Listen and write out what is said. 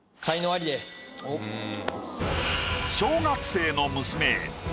小学生の娘へ。